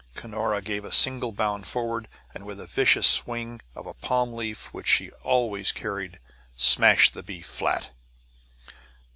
Cunora gave a single bound forward, and with a vicious swing of a palm leaf, which she always carried, smashed the bee flat.